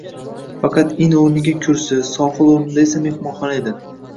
Faqat in o`rnida kursi, sohil o`rnida esa mehmonxona edi